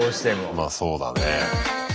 まあそうだね。